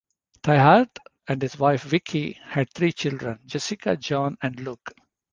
Tiahrt and his wife Vicki had three children, Jessica, John and Luke.